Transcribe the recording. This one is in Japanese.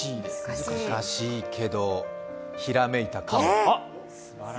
難しいけどひらめいたかも。